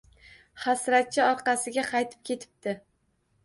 Hasratchi orqasiga qaytib ketibdi.